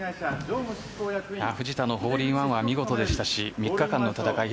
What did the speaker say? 藤田のホールインワンは見事でしたし３日間の戦い